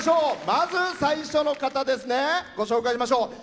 まず最初の方、ご紹介しましょう。